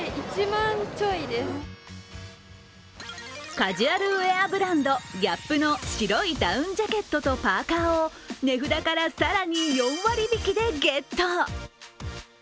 カジュアルウェアブランドＧＡＰの白いダウンジャケットとパーカーを値札から更に４割引きでゲット。